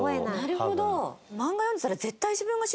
なるほど！